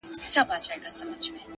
هوښیار انسان له وخت سره سیالي نه کوي